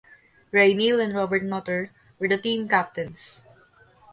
Ray Neal and Robert Nutter were the team captains.